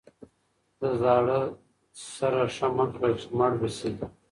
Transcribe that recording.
د زاړه سره ښه مه کړه چې مړ به شي.